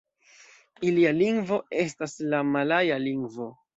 Ilia lingvo estas la malaja lingvo.